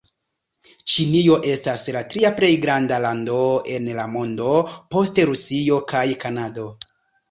Ĉinio estas la tria plej granda lando en la mondo, post Rusio kaj Kanado.